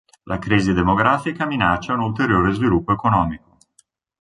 La crisi demografica minaccia un ulteriore sviluppo economico.